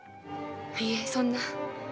いいえ、そんな。